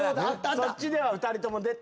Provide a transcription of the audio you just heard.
そっちでは２人とも出たんだ。